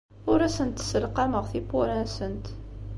Ur asent-sselqameɣ tiwwura-nsent.